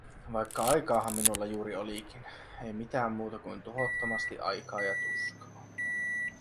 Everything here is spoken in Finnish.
Vaikka aikaahan minulla juuri olikin… Ei mitään muuta kuin tuhottomasti aikaa ja tuskaa.